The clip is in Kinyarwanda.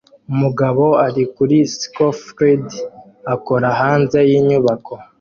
Umugabo ari kuri scafold akora hanze yinyubako